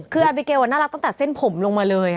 คืออาบิเกลน่ารักตั้งแต่เส้นผมลงมาเลย